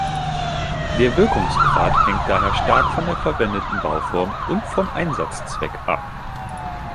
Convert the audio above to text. Der Wirkungsgrad hängt daher stark von der verwendeten Bauform und vom Einsatzzweck ab.